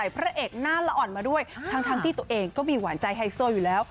พระเอกหน้าละอ่อนมาด้วยทั้งที่ตัวเองก็มีหวานใจไฮโซอยู่แล้ว